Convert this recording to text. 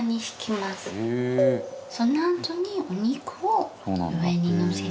そのあとにお肉を上にのせて。